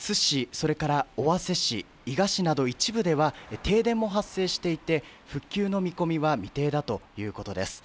それから尾鷲市、伊賀市など一部では停電も発生していて、復旧の見込みは未定だということです。